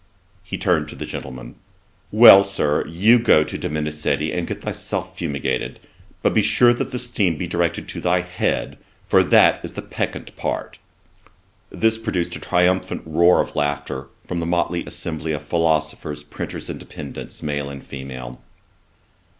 He turned to the gentleman, 'Well, Sir, go to Dominicetti, and get thyself fumigated; but be sure that the steam be directed to thy head, for that is the peccant part'. This produced a triumphant roar of laughter from the motley assembly of philosophers, printers, and dependents, male and female.